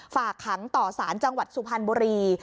ฝากขังต่อสารจังหวัดสุพรรณบุรี